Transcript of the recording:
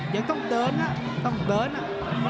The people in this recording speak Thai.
ยังต้องเดินนะต้องเดินอ่ะ